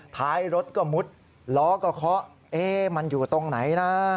ท้ายรถก็มุดล้อก็เคาะมันอยู่ตรงไหนนะ